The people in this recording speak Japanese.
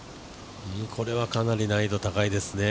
これはかなり難易度、高いですね。